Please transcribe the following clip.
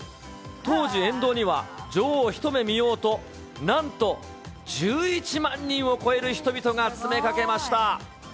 当時、沿道には女王を一目見ようと、なんと１１万人を超える人々が詰めかけました。